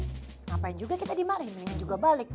ngapain juga kita dimari mendingan juga balik